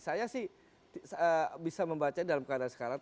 saya sih bisa membaca dalam keadaan sekarang